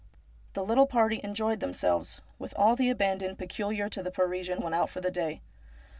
The little party enjoyed themselves with all the abandon peculiar to the Parisian when out for the day.